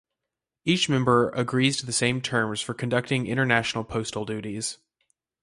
Each member agrees to the same terms for conducting international postal duties.